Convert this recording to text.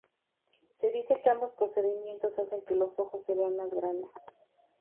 Se dice que ambos procedimientos hacen que los ojos se vean más grandes.